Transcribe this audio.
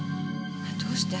どうして？